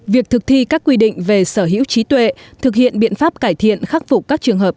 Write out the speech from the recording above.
việc thực thi các quy định về sở hữu trí tuệ thực hiện biện pháp cải thiện khắc phục các trường hợp